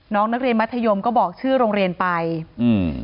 น้องนักเรียนมัธยมก็บอกชื่อโรงเรียนไปอืม